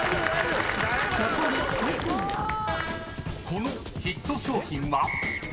［このヒット商品は？］